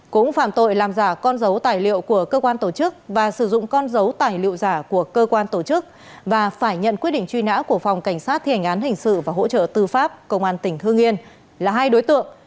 cũng phạm tội làm giả con dấu tài liệu của cơ quan tổ chức và sử dụng con dấu tài liệu giả của cơ quan tổ chức và phải nhận quyết định truy nã của phòng cảnh sát thi hành án hình sự và hỗ trợ tư pháp công an tỉnh hương yên là hai đối tượng